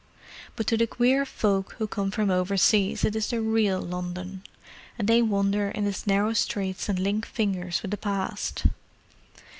But to the queer folk who come from overseas, it is the real London, and they wander in its narrow streets and link fingers with the past.